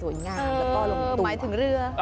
อื้อหมายถึงเรือ